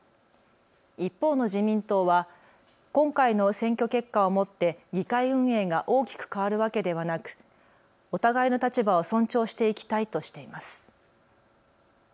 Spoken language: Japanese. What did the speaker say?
一方の自民党は、今回の選挙結果をもって議会運営が大きく変わるわけではなくお互いの立場を尊重していきたいとしています。